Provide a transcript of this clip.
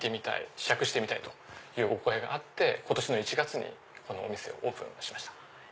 試着してみたい！というお声があって今年の１月にこのお店をオープンしました。